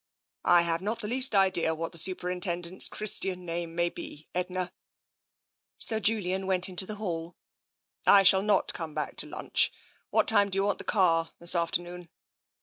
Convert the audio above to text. " I have not the least idea what the Superintendent's Christian name may be, Edna." Sir Julian went into the hall. " I shall not come back to lunch. What time do you want the car this afternoon